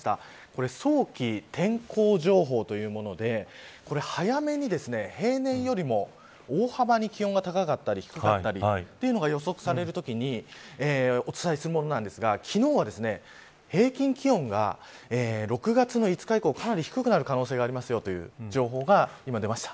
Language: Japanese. これ早期天候情報というもので早めに、平年よりも大幅に気温が高かったり低かったりというのが予測されるときにお伝えするものなんですが昨日は平均気温が６月の５日以降、かなり低くなる可能性がありますよという情報が今、出ました。